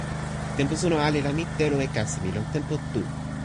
tenpo suno ale la mi telo e kasi mi lon tenpo tu.